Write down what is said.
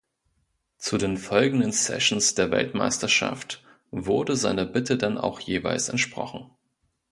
Zu den folgenden Sessions der Weltmeisterschaft wurde seiner Bitte dann auch jeweils entsprochen.